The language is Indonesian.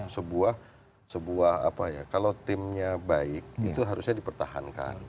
sebuah apa ya kalau timnya baik itu harusnya dipertahankan